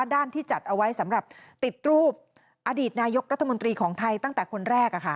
ด้านที่จัดเอาไว้สำหรับติดรูปอดีตนายกรัฐมนตรีของไทยตั้งแต่คนแรก